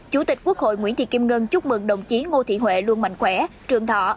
chủ tịch quốc hội nguyễn thị kim ngân chúc mừng đồng chí ngô thị huệ luôn mạnh khỏe trường thọ